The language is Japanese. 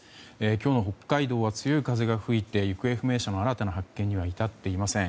今日の北海道は強い風が吹いて行方不明者の新たな発見には至っていません。